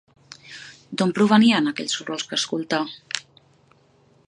D'on provenien els sorolls que escoltà?